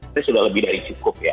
itu sudah lebih dari cukup ya